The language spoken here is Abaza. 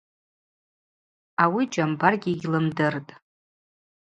Ауи Джьамбаргьи йгьлымдыртӏ.